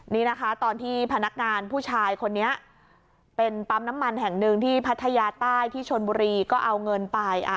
นี่นะคะตอนที่พนักงานผู้ชายคนนี้เป็นปั๊มน้ำมันแห่งหนึ่งที่พัทยาใต้ที่ชนบุรีก็เอาเงินไป